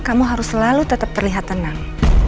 kamu harus selalu tetap terlihat tenang